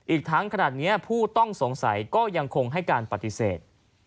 อีกทั้งขนาดนี้ผู้ต้องสงสัยก็ยังคงให้การปฏิเสธ